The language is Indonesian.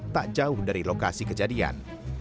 tak jauh dari lokasi kejadian